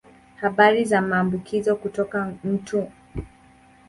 Habari za maambukizo kutoka mtu mgonjwa kwenda mtu mwingine ni chache sana.